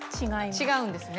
違うんですね。